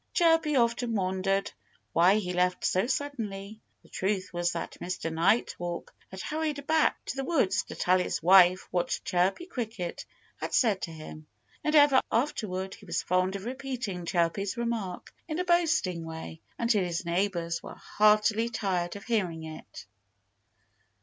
Chirpy often wondered why he left so suddenly. The truth was that Mr. Nighthawk had hurried back to the woods to tell his wife what Chirpy Cricket had said to him. And ever afterward he was fond of repeating Chirpy's remark, in a boasting way, until his neighbors were heartily tired of hearing it.